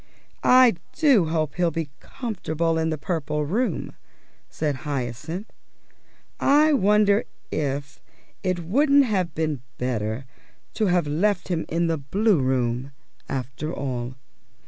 "I do hope he'll be comfortable in the Purple Room," said Hyacinth. "I wonder if it wouldn't have been better to have left him in the Blue Room, after all."